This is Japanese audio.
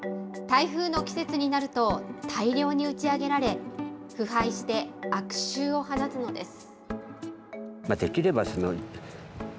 台風の季節になると大量に打ち上げられ、腐敗して悪臭を放つのです。